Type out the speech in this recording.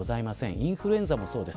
インフルエンザもそうです。